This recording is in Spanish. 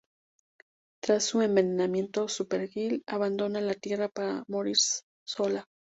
Tras su envenenamiento, Supergirl abandona la Tierra para morir sola.